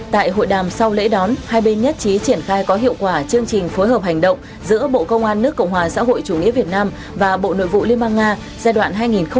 tại hội đàm sau lễ đón hai bên nhất trí triển khai có hiệu quả chương trình phối hợp hành động giữa bộ công an nước cộng hòa xã hội chủ nghĩa việt nam và bộ nội vụ liên bang nga giai đoạn hai nghìn hai mươi hai hai nghìn hai mươi